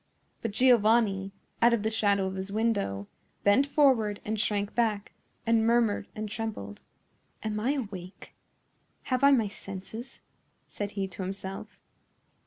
But Giovanni, out of the shadow of his window, bent forward and shrank back, and murmured and trembled. "Am I awake? Have I my senses?" said he to himself.